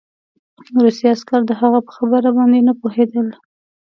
روسي عسکر د هغه په خبره باندې نه پوهېدل